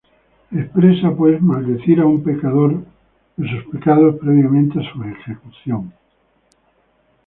Expresa, pues, maldecir a un pecador y a sus pecados previamente a su ejecución.